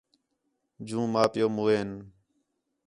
جوں ماں، پِیؤ موئین